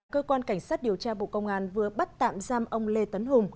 cơ quan cảnh sát điều tra bộ công an vừa bắt tạm giam ông lê tấn hùng